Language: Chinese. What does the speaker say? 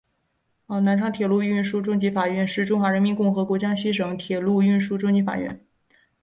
南昌铁路运输中级法院是中华人民共和国江西省的铁路运输中级法院。